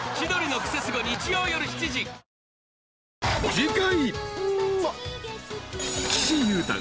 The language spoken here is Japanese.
［次回］